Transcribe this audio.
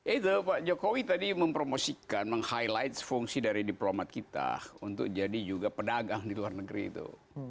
itu pak jokowi tadi mempromosikan meng highlight fungsi dari diplomat kita untuk jadi juga pedagang di luar negeri itu